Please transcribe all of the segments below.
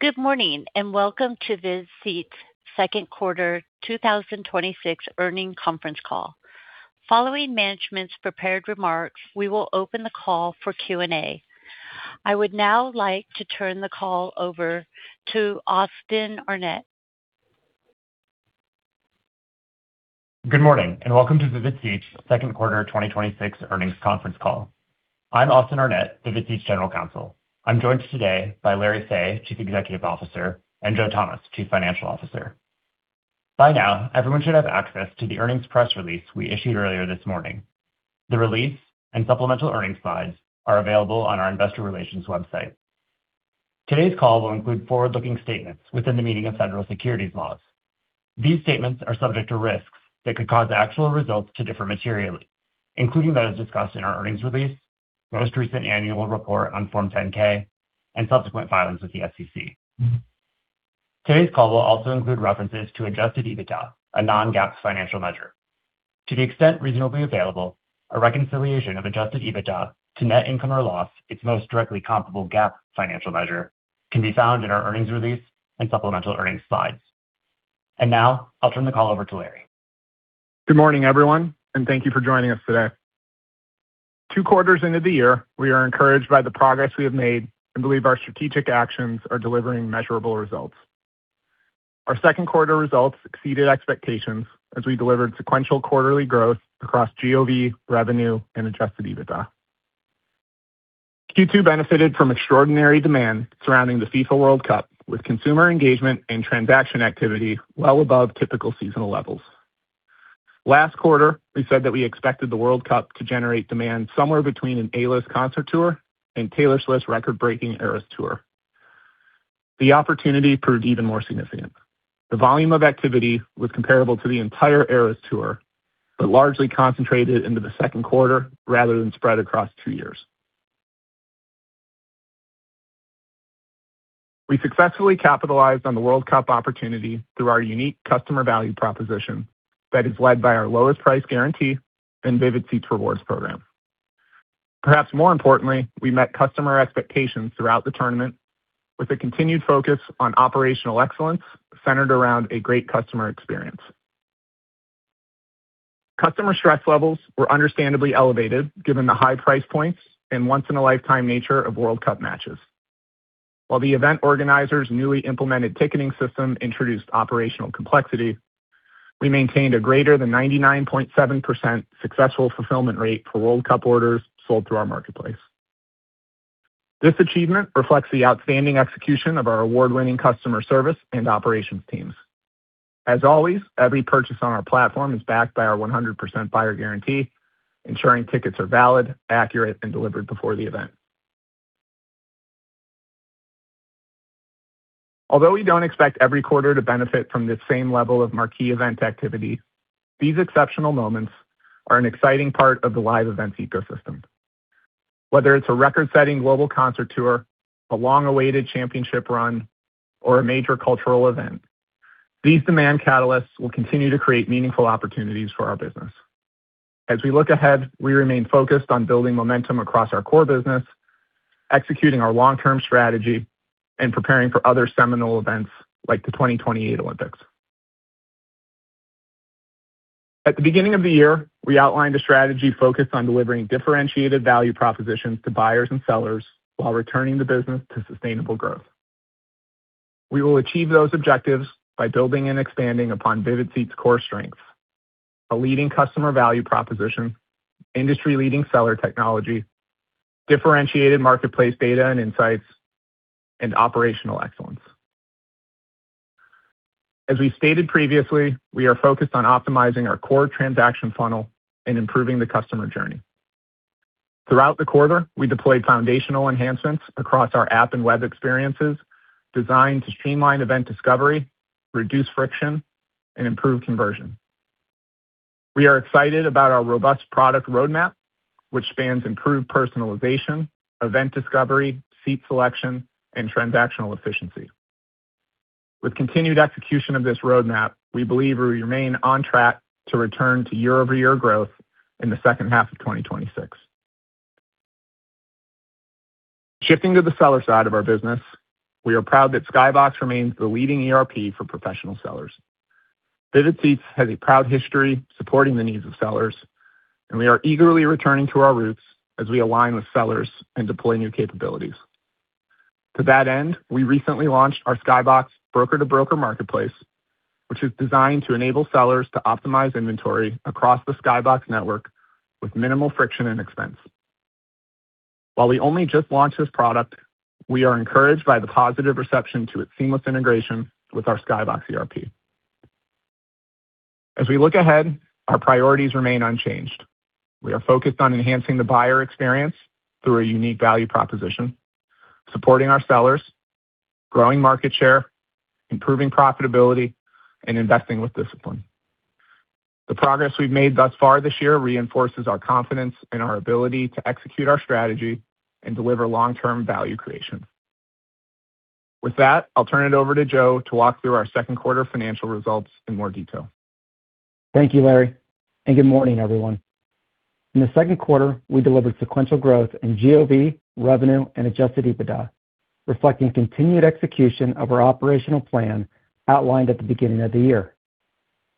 Good morning. Welcome to Vivid Seats' Q2 2026 earnings conference call. Following management's prepared remarks, we will open the call for Q&A. I would now like to turn the call over to Austin Arnett. Good morning. Welcome to Vivid Seats' Q2 2026 earnings conference call. I'm Austin Arnett, Vivid Seats' General Counsel. I'm joined today by Larry Fey, Chief Executive Officer, and Joseph Thomas, Chief Financial Officer. By now, everyone should have access to the earnings press release we issued earlier this morning. The release and supplemental earnings slides are available on our investor relations website. Today's call will include forward-looking statements within the meaning of federal securities laws. These statements are subject to risks that could cause actual results to differ materially, including that as discussed in our earnings release, most recent annual report on Form 10-K and subsequent filings with the SEC. Today's call will also include references to adjusted EBITDA, a non-GAAP financial measure. To the extent reasonably available, a reconciliation of adjusted EBITDA to net income or loss, its most directly comparable GAAP financial measure, can be found in our earnings release and supplemental earnings slides. Now I'll turn the call over to Larry. Good morning, everyone. Thank you for joining us today. Two quarters into the year, we are encouraged by the progress we have made and believe our strategic actions are delivering measurable results. Our Q2 results exceeded expectations as we delivered sequential quarterly growth across GOV revenue and adjusted EBITDA. Q2 benefited from extraordinary demand surrounding the FIFA World Cup, with consumer engagement and transaction activity well above typical seasonal levels. Last quarter, we said that we expected the World Cup to generate demand somewhere between an A-list concert tour and Taylor Swift's record-breaking Eras Tour. The opportunity proved even more significant. The volume of activity was comparable to the entire Eras Tour, but largely concentrated into the Q2 rather than spread across two years. We successfully capitalized on the World Cup opportunity through our unique customer value proposition that is led by our lowest price guarantee and Vivid Seats Rewards program. Perhaps more importantly, we met customer expectations throughout the tournament with a continued focus on operational excellence centered around a great customer experience. Customer stress levels were understandably elevated given the high price points and once-in-a-lifetime nature of World Cup matches. While the event organizers' newly implemented ticketing system introduced operational complexity, we maintained a greater than 99.7% successful fulfillment rate for World Cup orders sold through our marketplace. This achievement reflects the outstanding execution of our award-winning customer service and operations teams. As always, every purchase on our platform is backed by our 100% buyer guarantee, ensuring tickets are valid, accurate, and delivered before the event. Although we don't expect every quarter to benefit from this same level of marquee event activity, these exceptional moments are an exciting part of the live events ecosystem. Whether it's a record-setting global concert tour, a long-awaited championship run, or a major cultural event, these demand catalysts will continue to create meaningful opportunities for our business. As we look ahead, we remain focused on building momentum across our core business, executing our long-term strategy, and preparing for other seminal events like the 2028 Olympics. At the beginning of the year, we outlined a strategy focused on delivering differentiated value propositions to buyers and sellers while returning the business to sustainable growth. We will achieve those objectives by building and expanding upon Vivid Seats' core strengths, a leading customer value proposition, industry-leading seller technology, differentiated marketplace data and insights, and operational excellence. As we stated previously, we are focused on optimizing our core transaction funnel and improving the customer journey. Throughout the quarter, we deployed foundational enhancements across our app and web experiences designed to streamline event discovery, reduce friction, and improve conversion. We are excited about our robust product roadmap, which spans improved personalization, event discovery, seat selection, and transactional efficiency. With continued execution of this roadmap, we believe we remain on track to return to year-over-year growth in the H2 of 2026. Shifting to the seller side of our business, we are proud that SkyBox remains the leading ERP for professional sellers. Vivid Seats has a proud history supporting the needs of sellers, and we are eagerly returning to our roots as we align with sellers and deploy new capabilities. To that end, we recently launched our SkyBox broker-to-broker marketplace, which is designed to enable sellers to optimize inventory across the SkyBox network with minimal friction and expense. While we only just launched this product, we are encouraged by the positive reception to its seamless integration with our SkyBox ERP. As we look ahead, our priorities remain unchanged. We are focused on enhancing the buyer experience through a unique value proposition, supporting our sellers, growing market share, improving profitability, and investing with discipline. The progress we've made thus far this year reinforces our confidence in our ability to execute our strategy and deliver long-term value creation. With that, I'll turn it over to Joe to walk through our Q2 financial results in more detail Thank you, Larry, and good morning, everyone. In the Q2, we delivered sequential growth in GOV, revenue, and adjusted EBITDA, reflecting continued execution of our operational plan outlined at the beginning of the year.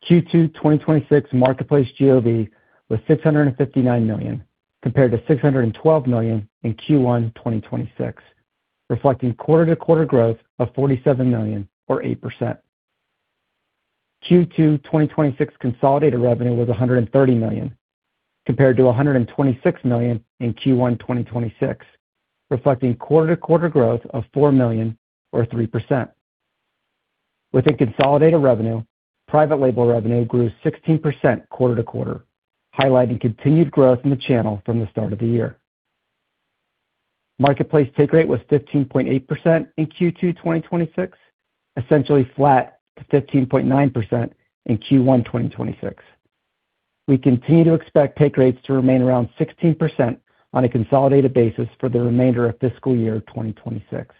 Q2 2026 Marketplace GOV was $659 million, compared to $612 million in Q1 2026, reflecting quarter-to-quarter growth of $47 million or 8%. Q2 2026 consolidated revenue was $130 million, compared to $126 million in Q1 2026, reflecting quarter-to-quarter growth of $4 million or 3%. Within consolidated revenue, private label revenue grew 16% quarter-to-quarter, highlighting continued growth in the channel from the start of the year. Marketplace take rate was 15.8% in Q2 2026, essentially flat to 15.9% in Q1 2026. We continue to expect take rates to remain around 16% on a consolidated basis for the remainder of fiscal year 2026.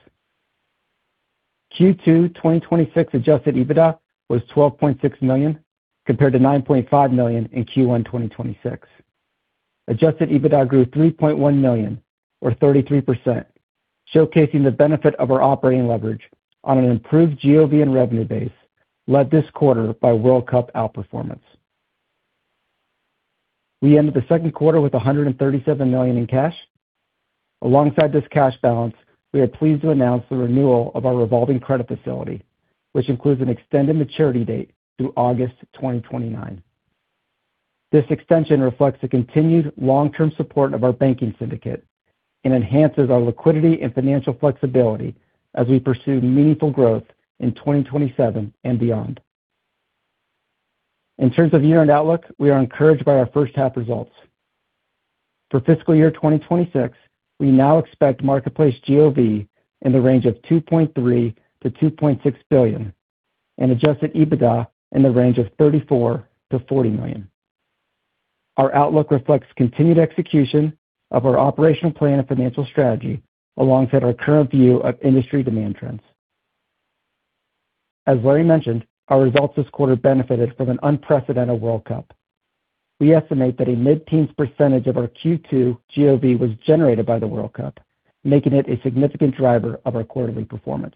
Q2 2026 adjusted EBITDA was $12.6 million, compared to $9.5 million in Q1 2026. Adjusted EBITDA grew $3.1 million or 33%, showcasing the benefit of our operating leverage on an improved GOV and revenue base led this quarter by World Cup outperformance. We ended the Q2 with $137 million in cash. Alongside this cash balance, we are pleased to announce the renewal of our revolving credit facility, which includes an extended maturity date through August 2029. This extension reflects the continued long-term support of our banking syndicate and enhances our liquidity and financial flexibility as we pursue meaningful growth in 2027 and beyond. In terms of year-end outlook, we are encouraged by our H1 results. For fiscal year 2026, we now expect Marketplace GOV in the range of $2.3 billion-$2.6 billion and adjusted EBITDA in the range of $34 million-$40 million. Our outlook reflects continued execution of our operational plan and financial strategy alongside our current view of industry demand trends. As Larry mentioned, our results this quarter benefited from an unprecedented World Cup. We estimate that a mid-teens percentage of our Q2 GOV was generated by the World Cup, making it a significant driver of our quarterly performance.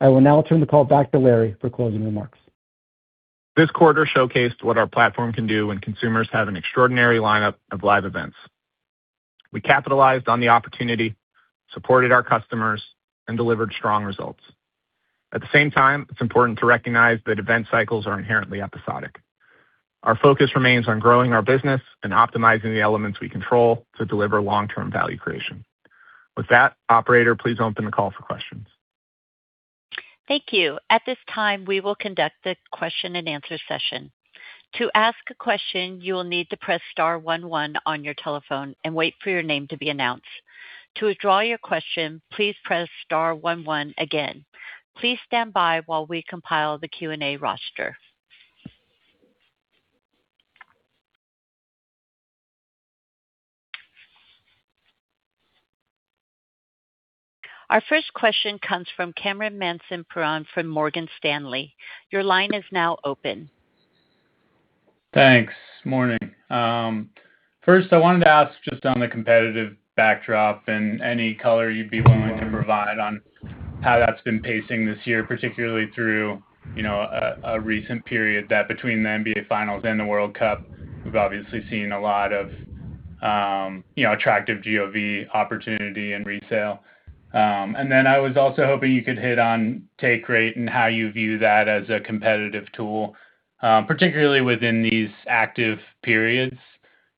I will now turn the call back to Larry for closing remarks. This quarter showcased what our platform can do when consumers have an extraordinary lineup of live events. We capitalized on the opportunity, supported our customers, and delivered strong results. At the same time, it's important to recognize that event cycles are inherently episodic. Our focus remains on growing our business and optimizing the elements we control to deliver long-term value creation. With that, operator, please open the call for questions. Thank you. At this time, we will conduct the question and answer session. To ask a question, you will need to press star one one on your telephone and wait for your name to be announced. To withdraw your question, please press star one one again. Please stand by while we compile the Q&A roster. Our first question comes from Cameron Mansson-Perrone from Morgan Stanley. Your line is now open. Thanks. Morning. First, I wanted to ask just on the competitive backdrop and any color you'd be willing to provide on how that's been pacing this year, particularly through a recent period that between the NBA finals and the World Cup, we've obviously seen a lot of attractive GOV opportunity in retail. I was also hoping you could hit on take rate and how you view that as a competitive tool, particularly within these active periods.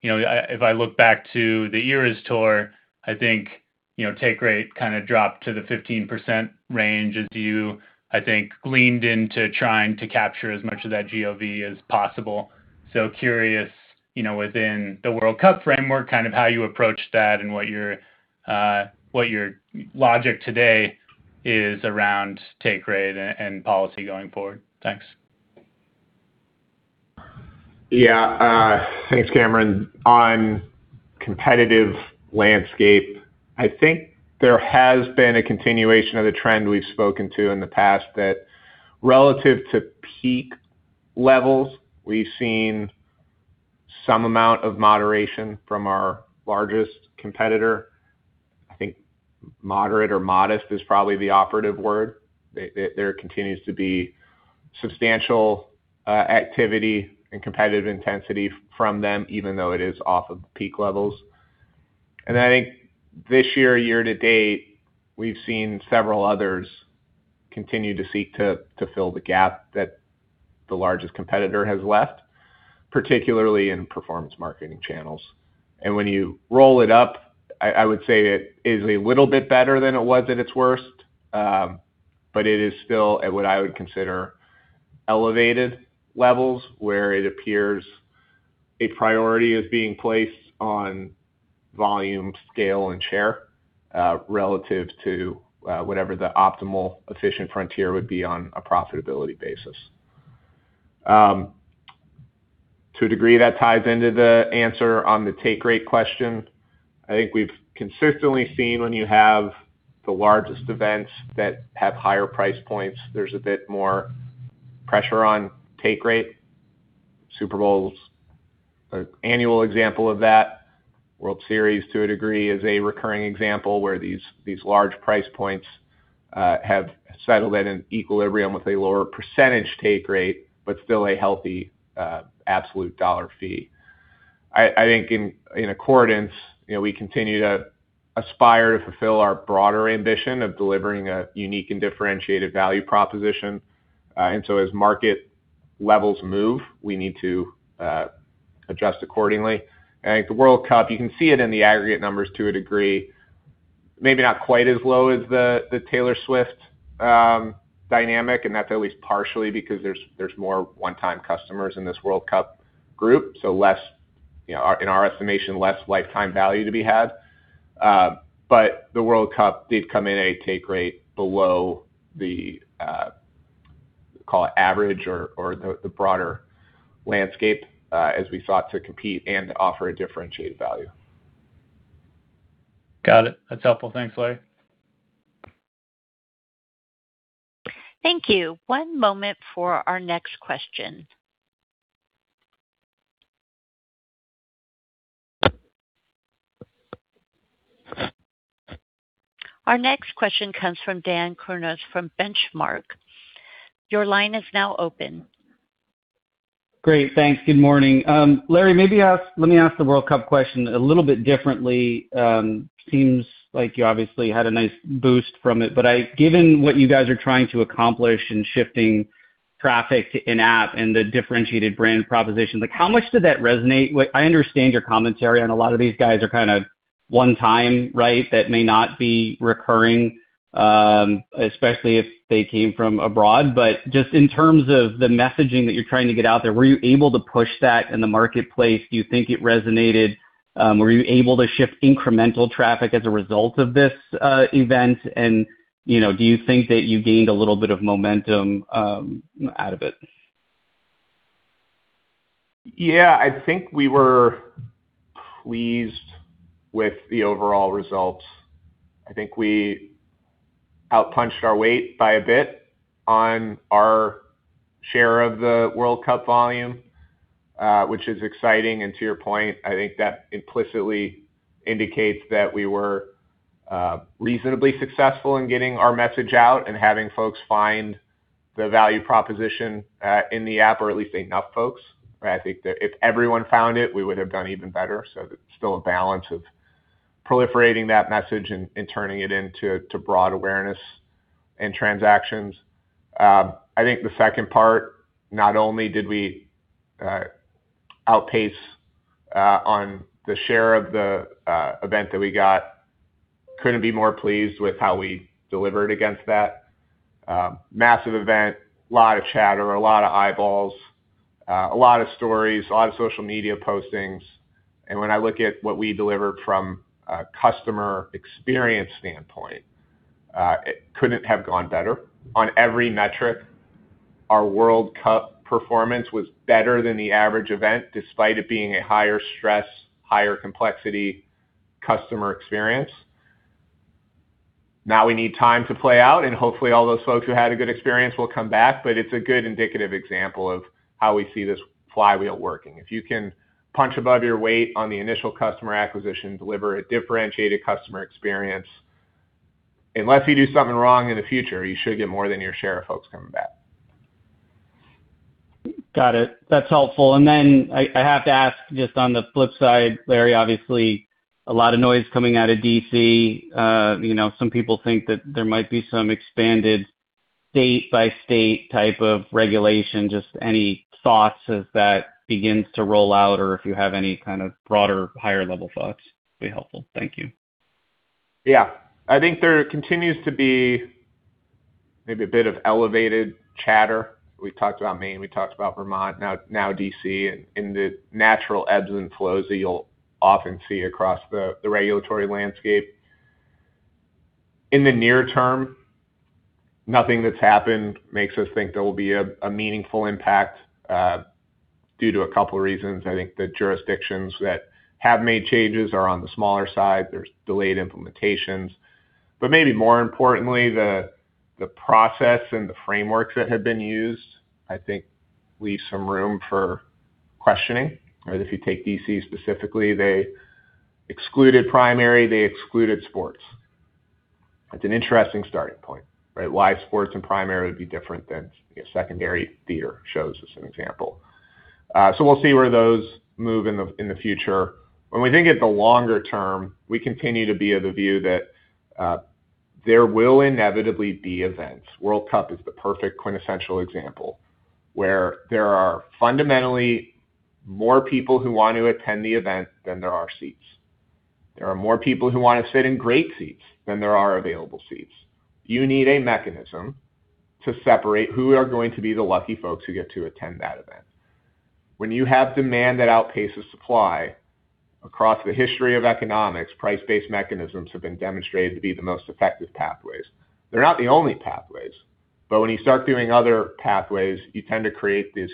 If I look back to The Eras Tour, I think take rate kind of dropped to the 15% range as you, I think, leaned into trying to capture as much of that GOV as possible. Curious, within the World Cup framework, kind of how you approach that and what your logic today is around take rate and policy going forward. Thanks. Yeah. Thanks, Cameron. On competitive landscape, I think there has been a continuation of the trend we've spoken to in the past that relative to peak levels, we've seen some amount of moderation from our largest competitor. I think moderate or modest is probably the operative word. There continues to be substantial activity and competitive intensity from them, even though it is off of peak levels. I think this year to date, we've seen several others continue to seek to fill the gap that the largest competitor has left, particularly in performance marketing channels. When you roll it up, I would say it is a little bit better than it was at its worst, but it is still at what I would consider elevated levels, where it appears a priority is being placed on volume, scale, and share, relative to whatever the optimal efficient frontier would be on a profitability basis. To a degree, that ties into the answer on the take rate question. I think we've consistently seen when you have the largest events that have higher price points, there's a bit more pressure on take rate. Super Bowl's an annual example of that. World Series, to a degree, is a recurring example where these large price points have settled at an equilibrium with a lower percentage take rate, but still a healthy absolute dollar fee. I think in accordance, we continue to aspire to fulfill our broader ambition of delivering a unique and differentiated value proposition. As market levels move, we need to adjust accordingly. I think the World Cup, you can see it in the aggregate numbers to a degree, maybe not quite as low as the Taylor Swift dynamic, that's at least partially because there's more one-time customers in this World Cup group, so in our estimation, less lifetime value to be had. The World Cup did come in a take rate below the, call it average or the broader landscape, as we sought to compete and offer a differentiated value. Got it. That's helpful. Thanks, Larry. Thank you. One moment for our next question. Our next question comes from Dan Kurnos from Benchmark. Your line is now open. Great. Thanks. Good morning. Larry, maybe let me ask the World Cup question a little bit differently. Seems like you obviously had a nice boost from it, given what you guys are trying to accomplish in shifting traffic to in-app and the differentiated brand proposition, how much did that resonate? I understand your commentary on a lot of these guys are one-time, that may not be recurring, especially if they came from abroad. Just in terms of the messaging that you're trying to get out there, were you able to push that in the marketplace? Do you think it resonated? Were you able to shift incremental traffic as a result of this event? Do you think that you gained a little bit of momentum out of it? Yeah. I think we were pleased with the overall results. I think we outpunched our weight by a bit on our share of the World Cup volume, which is exciting. To your point, I think that implicitly indicates that we were reasonably successful in getting our message out and having folks find the value proposition in the app, or at least enough folks. I think that if everyone found it, we would have done even better. There's still a balance of proliferating that message and turning it into broad awareness and transactions. I think the second part, not only did we outpace on the share of the event that we got, couldn't be more pleased with how we delivered against that. Massive event, lot of chatter, a lot of eyeballs, a lot of stories, a lot of social media postings. When I look at what we delivered from a customer experience standpoint, it couldn't have gone better. On every metric, our World Cup performance was better than the average event, despite it being a higher stress, higher complexity customer experience. We need time to play out, and hopefully all those folks who had a good experience will come back. It's a good indicative example of how we see this flywheel working. If you can punch above your weight on the initial customer acquisition, deliver a differentiated customer experience, unless you do something wrong in the future, you should get more than your share of folks coming back. Got it. That's helpful. Then I have to ask, just on the flip side, Larry, obviously, a lot of noise coming out of D.C. Some people think that there might be some expanded state-by-state type of regulation. Just any thoughts as that begins to roll out or if you have any kind of broader, higher-level thoughts would be helpful. Thank you. Yeah. I think there continues to be maybe a bit of elevated chatter. We've talked about Maine, we talked about Vermont, now D.C., and the natural ebbs and flows that you'll often see across the regulatory landscape. In the near term, nothing that's happened makes us think there will be a meaningful impact due to a couple of reasons. I think the jurisdictions that have made changes are on the smaller side. There's delayed implementations. Maybe more importantly, the process and the frameworks that have been used, I think leave some room for questioning. If you take D.C. specifically, they excluded primary, they excluded sports. That's an interesting starting point. Why sports and primary would be different than secondary theater shows, as an example. We'll see where those move in the future. When we think at the longer term, we continue to be of the view that there will inevitably be events. World Cup is the perfect quintessential example, where there are fundamentally more people who want to attend the event than there are seats. There are more people who want to sit in great seats than there are available seats. You need a mechanism to separate who are going to be the lucky folks who get to attend that event. When you have demand that outpaces supply. Across the history of economics, price-based mechanisms have been demonstrated to be the most effective pathways. They're not the only pathways, but when you start doing other pathways, you tend to create these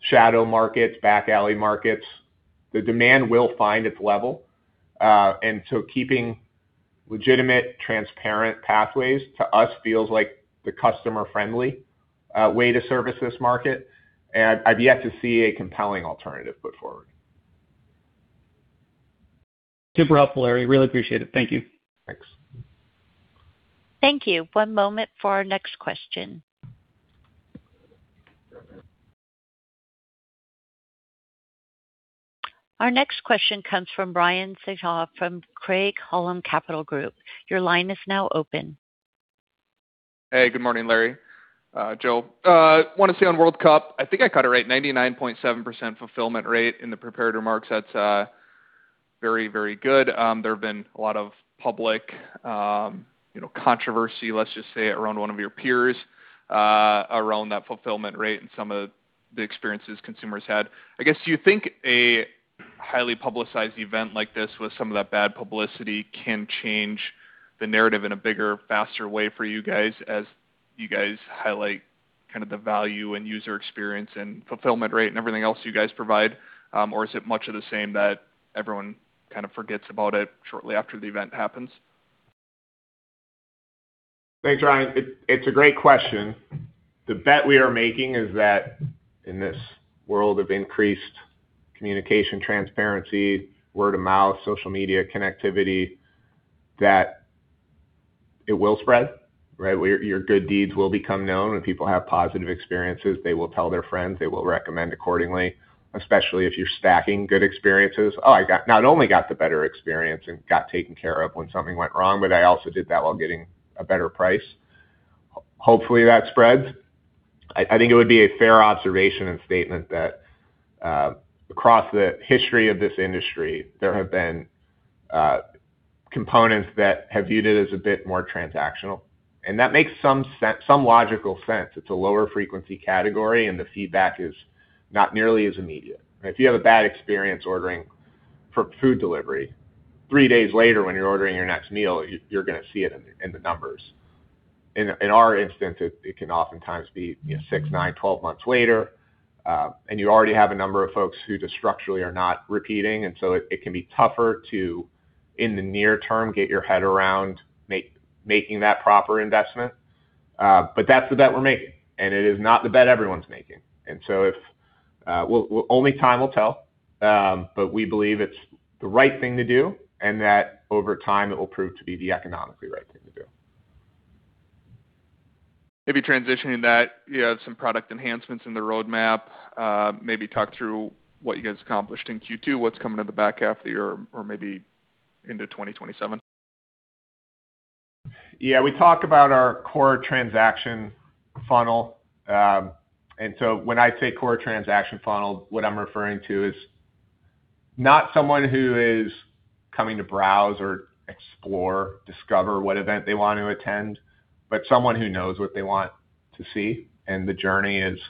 shadow markets, back alley markets. The demand will find its level. Keeping legitimate, transparent pathways to us feels like the customer-friendly way to service this market. I've yet to see a compelling alternative put forward. Super helpful, Larry. Really appreciate it. Thank you. Thanks. Thank you. One moment for our next question. Our next question comes from Ryan Sigdahl from Craig-Hallum Capital Group. Your line is now open. Hey, good morning, Larry, Joe. Wanted to stay on World Cup. I think I caught it right, 99.7% fulfillment rate in the prepared remarks. That's very good. There have been a lot of public controversy, let's just say, around one of your peers, around that fulfillment rate and some of the experiences consumers had. I guess, do you think a highly publicized event like this with some of that bad publicity can change the narrative in a bigger, faster way for you guys as you guys highlight the value and user experience and fulfillment rate and everything else you guys provide? Is it much of the same that everyone forgets about it shortly after the event happens? Thanks, Ryan. It's a great question. The bet we are making is that in this world of increased communication, transparency, word of mouth, social media connectivity, that it will spread, right? Where your good deeds will become known. When people have positive experiences, they will tell their friends, they will recommend accordingly, especially if you're stacking good experiences. Oh, I not only got the better experience and got taken care of when something went wrong, but I also did that while getting a better price. Hopefully, that spreads. I think it would be a fair observation and statement that across the history of this industry, there have been components that have viewed it as a bit more transactional, and that makes some logical sense. It's a lower frequency category, and the feedback is not nearly as immediate, right? If you have a bad experience ordering for food delivery, three days later, when you're ordering your next meal, you're going to see it in the numbers. In our instance, it can oftentimes be six, nine, 12 months later. You already have a number of folks who just structurally are not repeating. It can be tougher to, in the near term, get your head around making that proper investment. That's the bet we're making, and it is not the bet everyone's making. Only time will tell, but we believe it's the right thing to do, and that over time, it will prove to be the economically right thing to do. Maybe transitioning that, you have some product enhancements in the roadmap. Maybe talk through what you guys accomplished in Q2, what's coming in the back half of the year, or maybe into 2027. Yeah. We talk about our core transaction funnel. When I say core transaction funnel, what I'm referring to is not someone who is coming to browse or explore, discover what event they want to attend, but someone who knows what they want to see. The journey is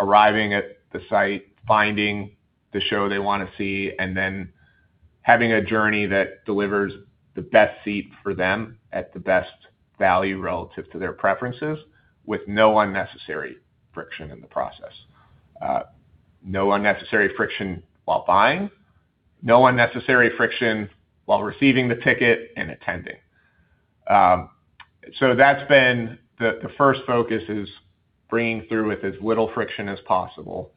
arriving at the site, finding the show they want to see, and then having a journey that delivers the best seat for them at the best value relative to their preferences, with no unnecessary friction in the process. No unnecessary friction while buying, no unnecessary friction while receiving the ticket and attending. That's been the first focus is bringing through with as little friction as possible.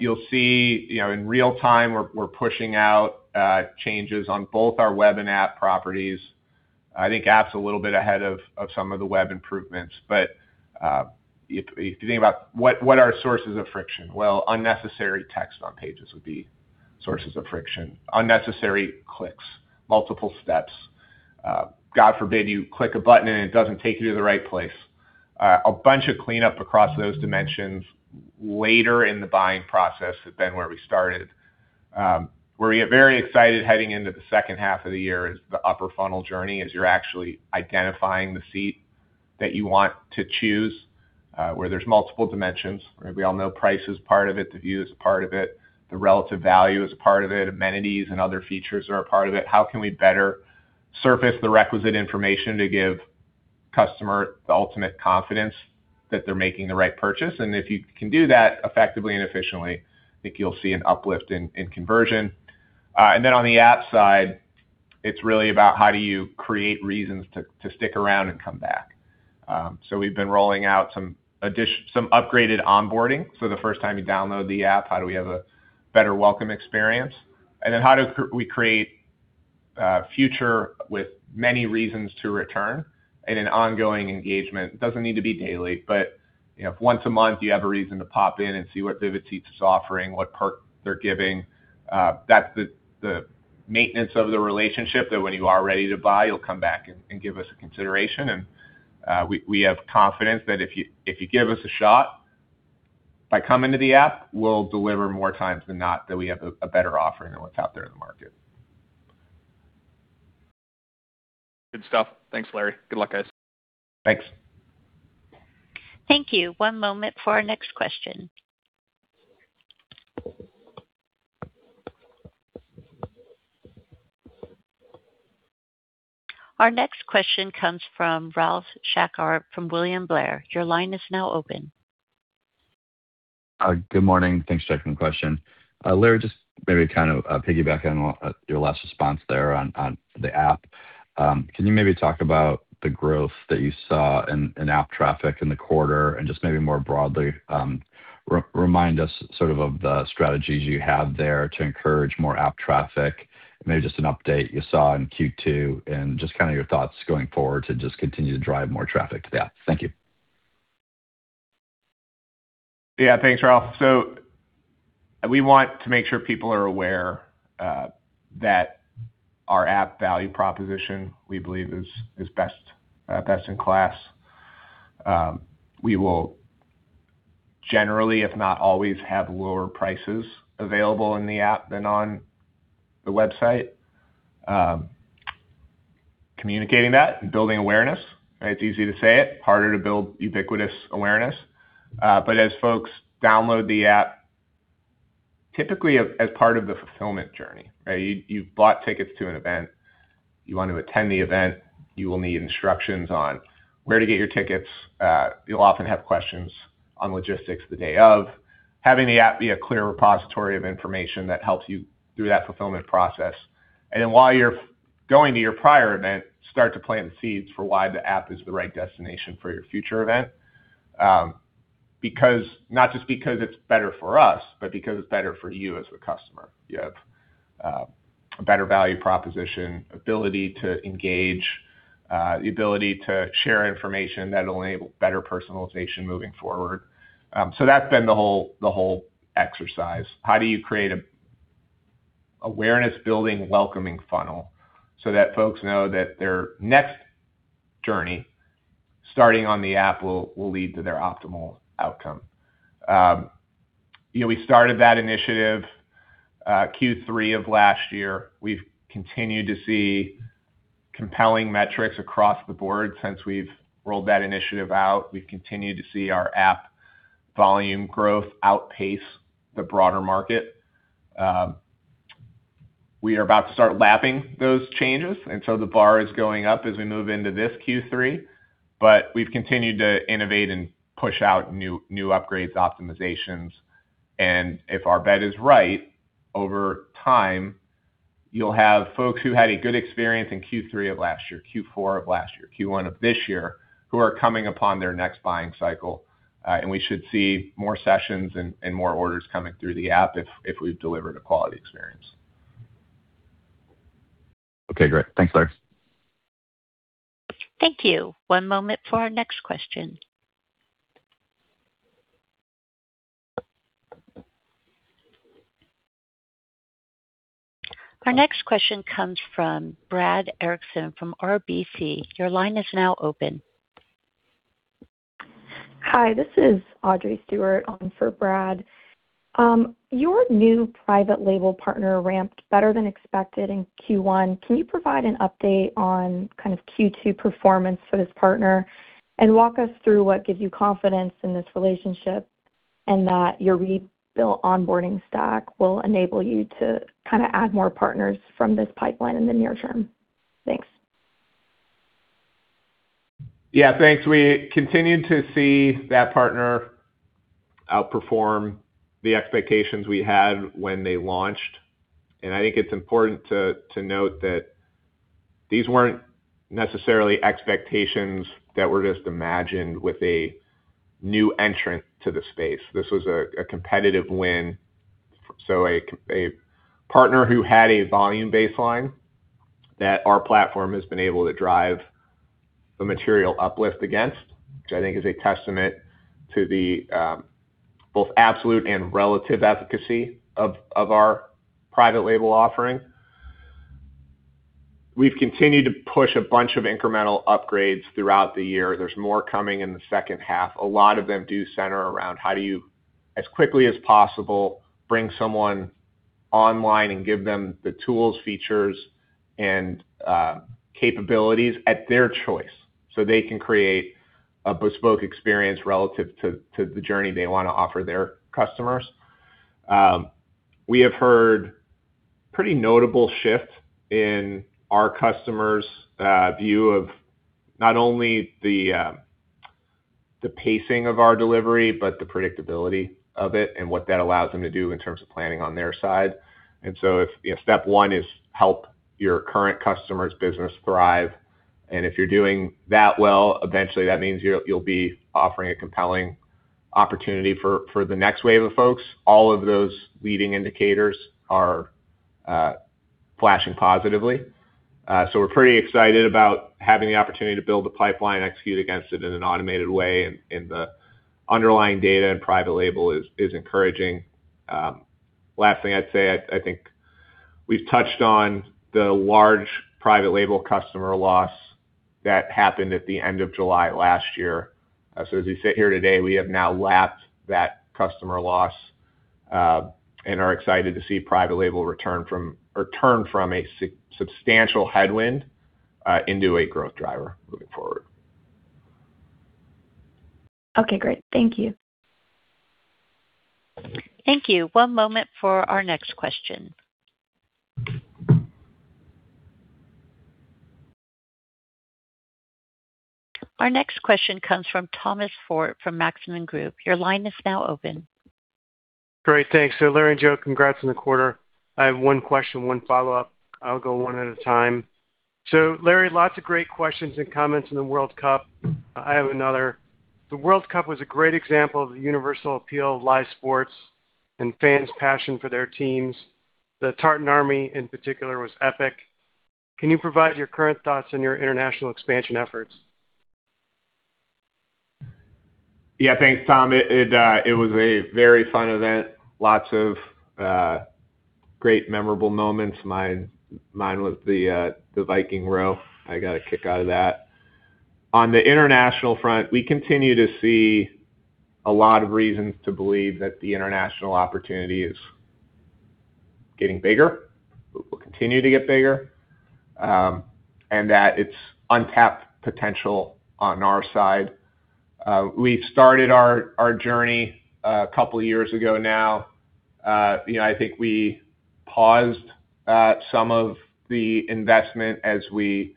You'll see in real-time, we're pushing out changes on both our web and app properties. I think app's a little bit ahead of some of the web improvements. If you think about what are sources of friction? Well, unnecessary text on pages would be sources of friction. Unnecessary clicks, multiple steps. God forbid you click a button and it doesn't take you to the right place. A bunch of cleanup across those dimensions later in the buying process has been where we started. Where we get very excited heading into the H2 of the year is the upper funnel journey, as you're actually identifying the seat that you want to choose, where there's multiple dimensions. We all know price is part of it. The view is a part of it. The relative value is a part of it. Amenities and other features are a part of it. How can we better surface the requisite information to give customer the ultimate confidence that they're making the right purchase? If you can do that effectively and efficiently, I think you'll see an uplift in conversion. On the app side, it's really about how do you create reasons to stick around and come back. We've been rolling out some upgraded onboarding. The first time you download the app, how do we have a better welcome experience? How do we create a future with many reasons to return and an ongoing engagement? It doesn't need to be daily, but if once a month you have a reason to pop in and see what Vivid Seats is offering, what perks they're giving, that's the maintenance of the relationship that when you are ready to buy, you'll come back and give us a consideration. We have confidence that if you give us a shot by coming to the app, we'll deliver more times than not that we have a better offering than what's out there in the market. Good stuff. Thanks, Larry. Good luck, guys. Thanks. Thank you. One moment for our next question. Our next question comes from Ralph Schackart from William Blair. Your line is now open. Good morning. Thanks for taking the question. Larry, just maybe to kind of piggyback on your last response there on the app, can you maybe talk about the growth that you saw in app traffic in the quarter and just maybe more broadly remind us sort of the strategies you have there to encourage more app traffic? Maybe just an update you saw in Q2 and just your thoughts going forward to just continue to drive more traffic to the app. Thank you. Yeah. Thanks, Ralph. We want to make sure people are aware that our app value proposition, we believe is best in class. We will generally, if not always, have lower prices available in the app than on the website. Communicating that and building awareness, it's easy to say it, harder to build ubiquitous awareness. As folks download the app, typically as part of the fulfillment journey, right? You've bought tickets to an event. You want to attend the event. You will need instructions on where to get your tickets. You'll often have questions on logistics the day of. Having the app be a clear repository of information that helps you through that fulfillment process. Then while you're going to your prior event, start to plant the seeds for why the app is the right destination for your future event. Not just because it's better for us, but because it's better for you as the customer. You have a better value proposition, ability to engage, the ability to share information that'll enable better personalization moving forward. That's been the whole exercise. How do you create an awareness-building, welcoming funnel so that folks know that their next journey starting on the app will lead to their optimal outcome? We started that initiative Q3 of last year. We've continued to see compelling metrics across the board since we've rolled that initiative out. We've continued to see our app volume growth outpace the broader market. We are about to start lapping those changes, and so the bar is going up as we move into this Q3, but we've continued to innovate and push out new upgrades, optimizations, and if our bet is right, over time, you'll have folks who had a good experience in Q3 of last year, Q4 of last year, Q1 of this year, who are coming upon their next buying cycle. We should see more sessions and more orders coming through the app if we've delivered a quality experience. Okay, great. Thanks, Larry. Thank you. One moment for our next question. Our next question comes from Brad Erickson from RBC. Your line is now open. Hi, this is Audrey Stuart on for Brad. Your new private label partner ramped better than expected in Q1. Can you provide an update on Q2 performance for this partner and walk us through what gives you confidence in this relationship and that your rebuilt onboarding stack will enable you to add more partners from this pipeline in the near term? Thanks. Yeah, thanks. We continue to see that partner outperform the expectations we had when they launched. I think it's important to note that these weren't necessarily expectations that were just imagined with a new entrant to the space. This was a competitive win. A partner who had a volume baseline that our platform has been able to drive a material uplift against, which I think is a testament to the both absolute and relative efficacy of our private label offering. We've continued to push a bunch of incremental upgrades throughout the year. There's more coming in the H2. A lot of them do center around how do you, as quickly as possible, bring someone online and give them the tools, features, and capabilities at their choice so they can create a bespoke experience relative to the journey they want to offer their customers. We have heard pretty notable shift in our customers' view of not only the pacing of our delivery but the predictability of it and what that allows them to do in terms of planning on their side. If step one is help your current customer's business thrive, if you're doing that well, eventually, that means you'll be offering a compelling opportunity for the next wave of folks. All of those leading indicators are flashing positively. We're pretty excited about having the opportunity to build a pipeline, execute against it in an automated way. The underlying data and private label is encouraging. Last thing I'd say, I think we've touched on the large private label customer loss that happened at the end of July last year. As we sit here today, we have now lapped that customer loss. Are excited to see private label return from, or turn from a substantial headwind into a growth driver moving forward. Okay, great. Thank you. Thank you. One moment for our next question. Our next question comes from Thomas Forte from Maxim Group. Your line is now open. Great. Thanks. Larry and Joe, congrats on the quarter. I have one question, one follow-up. I'll go one at a time. Larry, lots of great questions and comments on the World Cup. I have another. The World Cup was a great example of the universal appeal of live sports and fans' passion for their teams. The Tartan Army, in particular, was epic. Can you provide your current thoughts on your international expansion efforts? Thanks, Tom. It was a very fun event. Lots of great memorable moments. Mine was the Viking row. I got a kick out of that. On the international front, we continue to see a lot of reasons to believe that the international opportunity is getting bigger, will continue to get bigger, and that it's untapped potential on our side. We started our journey a couple of years ago now. I think we paused some of the investment as we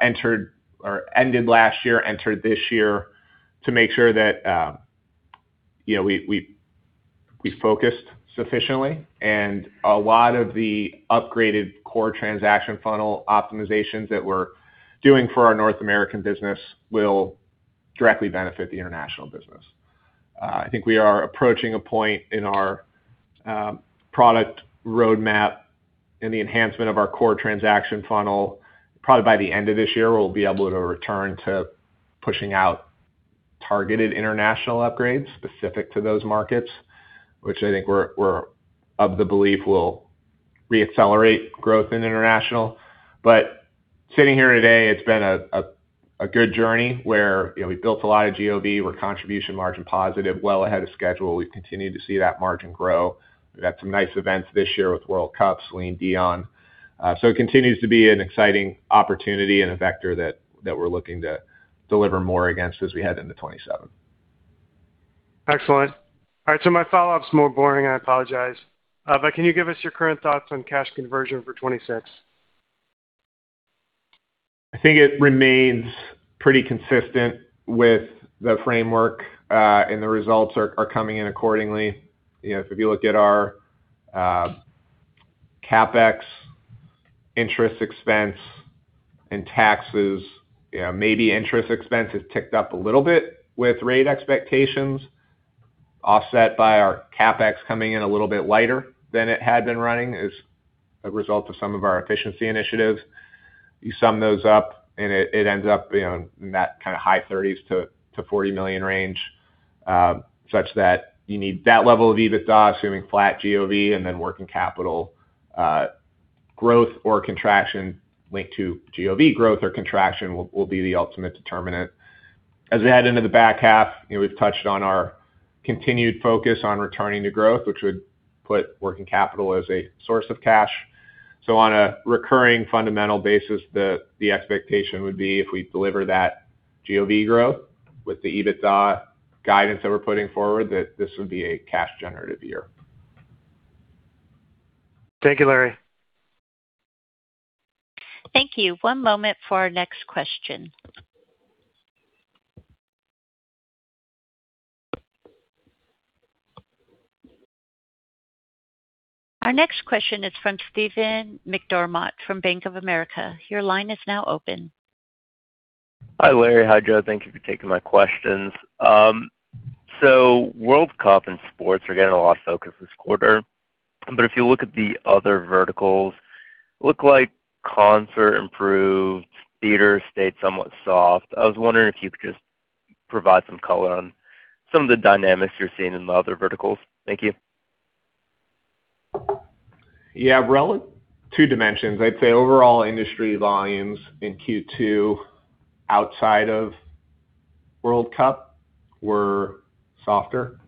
ended last year, entered this year to make sure that we focused sufficiently, and a lot of the upgraded core transaction funnel optimizations that we're doing for our North American business will directly benefit the international business. I think we are approaching a point in our product roadmap in the enhancement of our core transaction funnel. Probably by the end of this year, we'll be able to return to pushing out targeted international upgrades specific to those markets, which I think we're of the belief will re-accelerate growth in international. Sitting here today, it's been a good journey where we've built a lot of GOV. We're contribution margin positive, well ahead of schedule. We've continued to see that margin grow. We've had some nice events this year with World Cup, Celine Dion. It continues to be an exciting opportunity and a vector that we're looking to deliver more against as we head into 2027. Excellent. My follow-up's more boring, I apologize. Can you give us your current thoughts on cash conversion for 2026? I think it remains pretty consistent with the framework, the results are coming in accordingly. If you look at our CapEx, interest expense, and taxes, maybe interest expense has ticked up a little bit with rate expectations, offset by our CapEx coming in a little bit lighter than it had been running as a result of some of our efficiency initiatives. You sum those up and it ends up in that kind of high $30 million-$40 million range, such that you need that level of EBITDA assuming flat GOV and then working capital growth or contraction linked to GOV growth or contraction will be the ultimate determinant. As we head into the back half, we've touched on our continued focus on returning to growth, which would put working capital as a source of cash. On a recurring fundamental basis, the expectation would be if we deliver that GOV growth with the EBITDA guidance that we're putting forward, that this would be a cash generative year. Thank you, Larry. Thank you. One moment for our next question. Our next question is from Steven McDermott from Bank of America. Your line is now open. Hi, Larry. Hi, Joe. Thank you for taking my questions. World Cup and sports are getting a lot of focus this quarter, but if you look at the other verticals, look like concert improved, theater stayed somewhat soft. I was wondering if you could just provide some color on some of the dynamics you're seeing in the other verticals. Thank you. Yeah. Two dimensions. I'd say overall industry volumes in Q2 outside of World Cup were softer.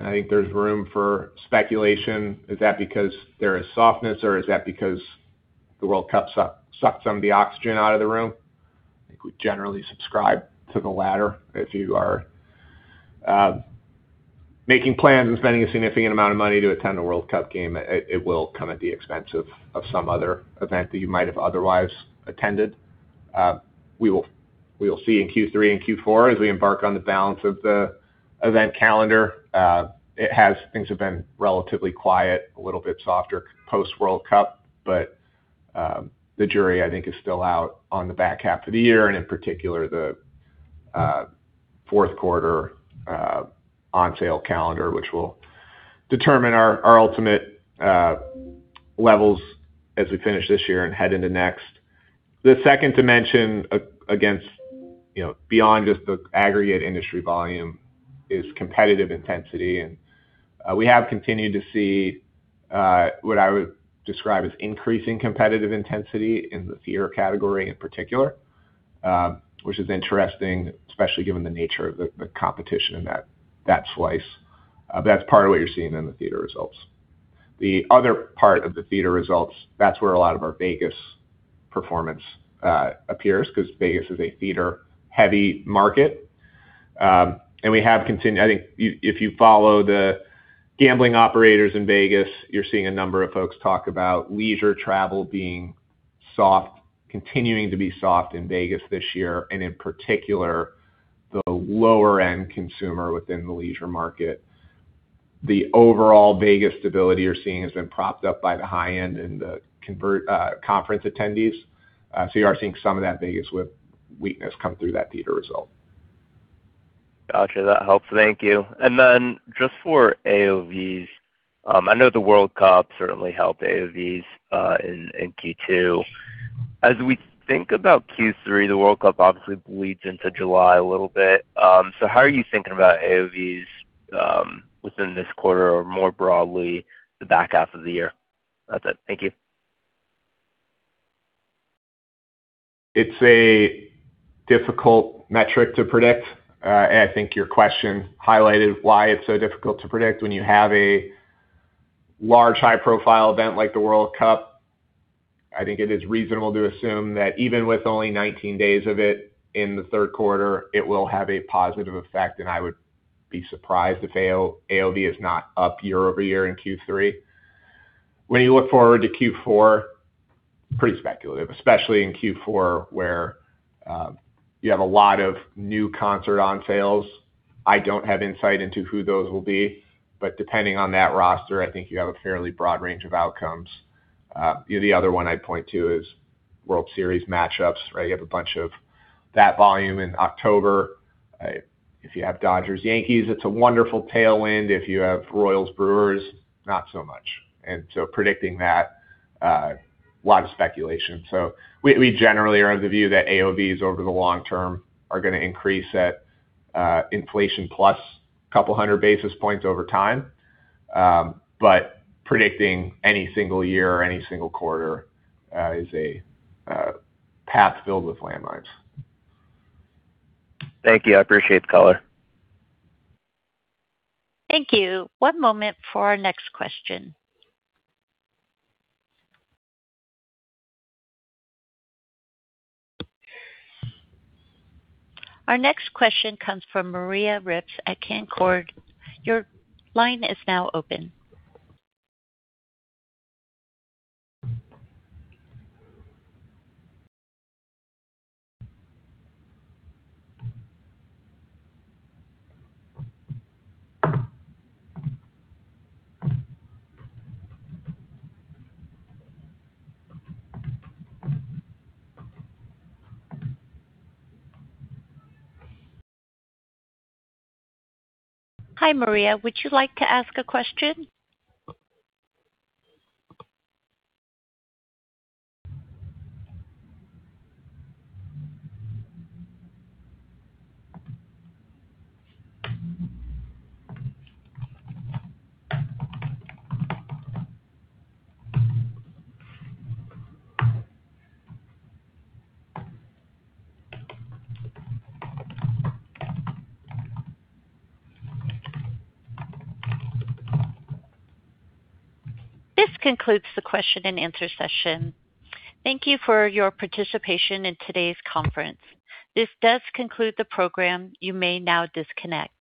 I think there's room for speculation. Is that because there is softness or is that because the World Cup sucked some of the oxygen out of the room? I think we generally subscribe to the latter. If you are making plans and spending a significant amount of money to attend a World Cup game, it will come at the expense of some other event that you might have otherwise attended. We'll see in Q3 and Q4 as we embark on the balance of the event calendar. Things have been relatively quiet, a little bit softer post World Cup, but the jury, I think, is still out on the back half of the year and in particular, the Q4 on sale calendar, which will determine our ultimate levels as we finish this year and head into next. The second dimension against beyond just the aggregate industry volume is competitive intensity. We have continued to see what I would describe as increasing competitive intensity in the theater category in particular, which is interesting, especially given the nature of the competition in that slice. That's part of what you're seeing in the theater results. The other part of the theater results, that's where a lot of our Vegas performance appears, because Vegas is a theater-heavy market. I think if you follow the gambling operators in Vegas, you're seeing a number of folks talk about leisure travel continuing to be soft in Vegas this year, and in particular, the lower-end consumer within the leisure market. The overall Vegas stability you're seeing has been propped up by the high-end and the conference attendees. You are seeing some of that Vegas weakness come through that theater result. Got you. That helps. Thank you. Then just for AOVs, I know the World Cup certainly helped AOVs in Q2. As we think about Q3, the World Cup obviously bleeds into July a little bit. How are you thinking about AOVs within this quarter or more broadly the back half of the year? That's it. Thank you. It's a difficult metric to predict. I think your question highlighted why it's so difficult to predict when you have a large, high-profile event like the World Cup. I think it is reasonable to assume that even with only 19 days of it in the Q3, it will have a positive effect, and I would be surprised if AOV is not up year-over-year in Q3. When you look forward to Q4, pretty speculative, especially in Q4, where you have a lot of new concert on sales. I don't have insight into who those will be, but depending on that roster, I think you have a fairly broad range of outcomes. The other one I'd point to is World Series matchups, right? You have a bunch of that volume in October. If you have Dodgers Yankees, it's a wonderful tailwind. If you have Royals Brewers, not so much. Predicting that, lot of speculation. We generally are of the view that AOVs over the long term are going to increase at inflation plus a couple of 100 basis points over time. Predicting any single year or any single quarter is a path filled with landmines. Thank you. I appreciate the color. Thank you. One moment for our next question. Our next question comes from Maria Ripps at Canaccord. Your line is now open. Hi, Maria, would you like to ask a question? This concludes the question and answer session. Thank you for your participation in today's conference. This does conclude the program. You may now disconnect.